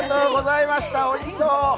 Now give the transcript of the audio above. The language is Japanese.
おいしそう。